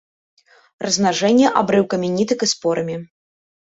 Размнажэнне абрыўкамі нітак і спорамі.